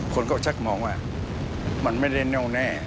คนก็ชักมองว่ามันไม่ได้แน่วแน่